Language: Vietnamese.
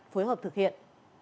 phối hợp thực hiện